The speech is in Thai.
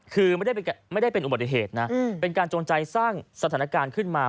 คือไม่ได้เป็นอุบัติเหตุนะเป็นการจงใจสร้างสถานการณ์ขึ้นมา